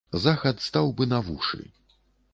Захад стаў бы на вушы.